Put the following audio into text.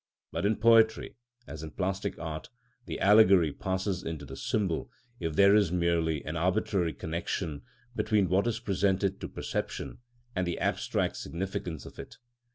But in poetry, as in plastic art, the allegory passes into the symbol if there is merely an arbitrary connection between what it presented to perception and the abstract significance of it.